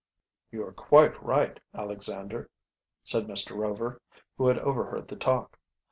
"You are quite right, Alexander," said Mr. Rover, who had overheard the talk.